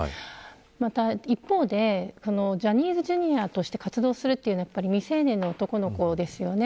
また、一方でジャニーズＪｒ．として活動するというのは未成年の男の子ですよね。